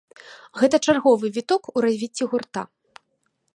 Гэта чарговы віток у развіцці гурта.